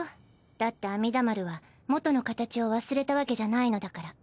だって阿弥陀丸はもとの形を忘れたわけじゃないのだから。